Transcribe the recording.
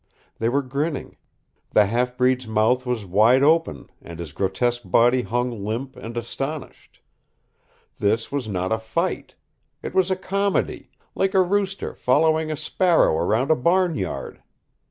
They were grinning. The half breed's mouth was wide open, and his grotesque body hung limp and astonished. This was not a fight! It was a comedy like a rooster following a sparrow around a barnyard!